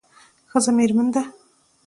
ښځه میرمن ده